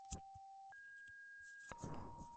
Sánchez de Tagle convirtió el casco en su casa principal.